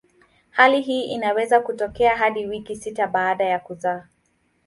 Hali hii inaweza kutokea hadi wiki sita baada ya kuzaa.